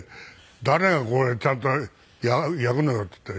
「誰がこれちゃんと焼くのよ」っていって。